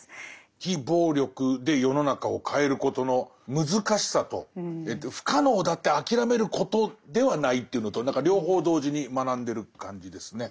非暴力で世の中を変えることの難しさと不可能だって諦めることではないっていうのと何か両方同時に学んでる感じですね。